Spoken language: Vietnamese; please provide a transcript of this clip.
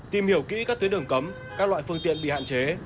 tìm hiểu kỹ các tuyến đường cấm các loại phương tiện bị hạn chế